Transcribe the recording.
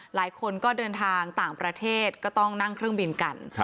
หลายคนก็เดินทางต่างประเทศก็ต้องนั่งเครื่องบินกัน